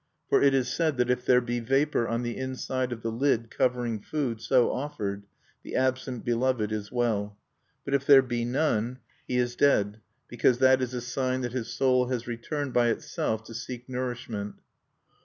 For it is said that if there be vapor on the inside of the lid covering food so offered, the absent beloved is well. But if there be none, he is dead, because that is a sign that his soul has returned by itself to seek nourishment.